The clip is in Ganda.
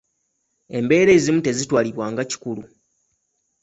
Embeera ezimu tezitwalibwa nga kikulu.